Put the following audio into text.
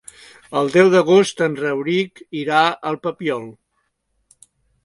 El deu d'agost en Rauric irà al Papiol.